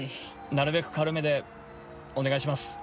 なるべく軽めでお願いします。